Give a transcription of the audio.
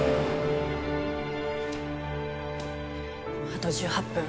あと１８分。